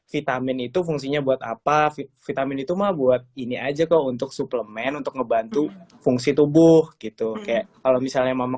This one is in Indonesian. vitamin itu fungsinya buat apa vitamin itu mah buat ini aja kok untuk suplemen untuk ngebantu fungsi tubuh gitu kayak kalau misalnya mama